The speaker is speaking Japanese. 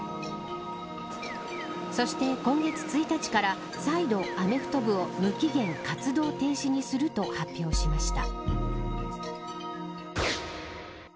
そして、今月１日から再度、アメフト部を無期限活動停止にすると発表しました。